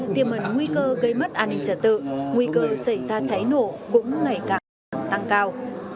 tiềm mẩn nguy cơ gây mất an ninh trật tự nguy cơ xảy ra cháy nổ cũng ngày càng tăng cao